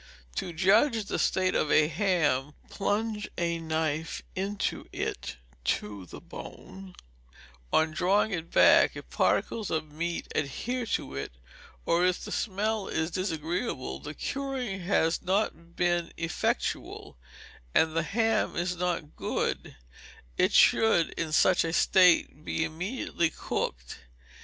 To judge the state of a ham, plunge a knife into it to the bone; on drawing it back, if particles of meat adhere to it, or if the smell is disagreeable, the curing has not been effectual, and the ham is not good; it should, in such a state, be immediately cooked.